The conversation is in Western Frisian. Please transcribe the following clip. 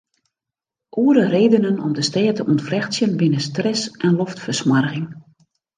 Oare redenen om de stêd te ûntflechtsjen binne stress en loftfersmoarging.